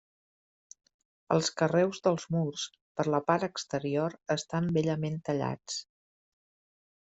Els carreus dels murs, per la part exterior, estan bellament tallats.